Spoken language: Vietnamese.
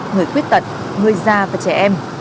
người quyết tật người già và trẻ em